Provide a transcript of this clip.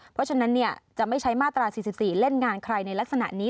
เพราะฉะนั้นจะไม่ใช้มาตรา๔๔เล่นงานใครในลักษณะนี้